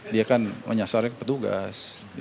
dia kan menyasar petugas